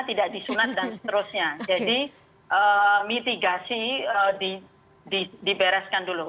tidak disunat dan seterusnya jadi mitigasi dibereskan dulu